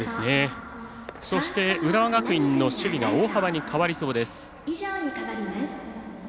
そして、浦和学院の守備が大幅に変わりそうです。